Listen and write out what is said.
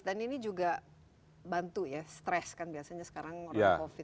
dan ini juga bantu ya stress kan biasanya sekarang orang covid itu